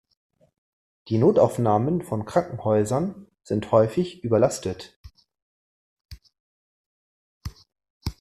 Die Notaufnahmen von Krankenhäusern sind häufig überlastet.